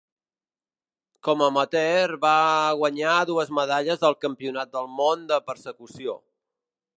Com amateur va guanyar dues medalles al Campionat del món de persecució.